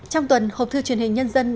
trong tuần hộp thư truyền hình nhân dân